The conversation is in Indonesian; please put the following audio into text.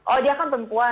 oh dia kan perempuan